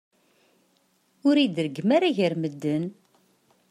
Ur yi-d-reggem ara gar medden.